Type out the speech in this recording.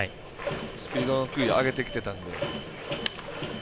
スピード、球威上げてきてたんで。